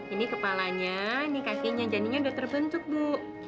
ini kepalanya ini kakinya jadinya udah terbentuk bu